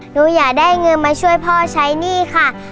หนูอยากได้เงินมาช่วยพ่อใช้หนี้ค่ะ